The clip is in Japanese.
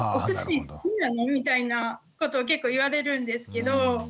みたいなことを結構言われるんですけど。